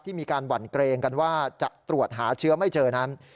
มีการหวั่นเกรงกันว่าจะตรวจหาเชื้อไม่เจอนั้น